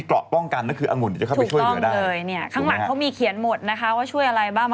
ข้างหลังเขามีเขียนหมดนะคะว่าช่วยอะไรบ้าง